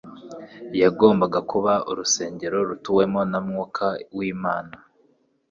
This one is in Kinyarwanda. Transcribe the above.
Yagombaga kuba urusengero rutuwemo na Mwuka w'Imana